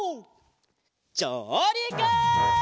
じょうりく！